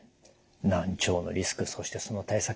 難聴のリスクそしてその対策